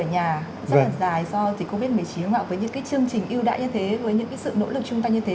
ở nhà rất là dài do dịch covid một mươi chín với những cái chương trình ưu đãi như thế với những cái sự nỗ lực chung tay như thế